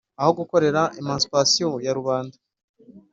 aho gutora émancipation ya rubanda.